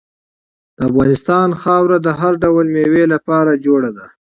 د افغانستان خاوره د هر ډول میوې لپاره جوړه ده.